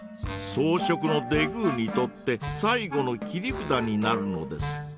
草食のデグーにとって最後の切り札になるのです。